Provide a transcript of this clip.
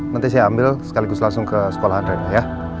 nanti saya ambil sekaligus langsung ke sekolah adanya ya